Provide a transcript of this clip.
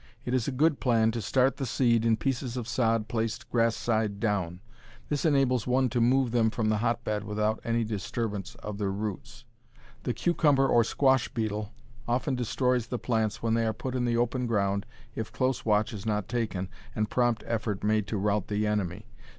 It is a good plan to start the seed in pieces of sod placed grass side down. This enables one to move them from the hotbed without any disturbance of their roots. The cucumber or squash beetle often destroys the plants when they are put in the open ground if close watch is not taken and prompt effort made to rout the enemy.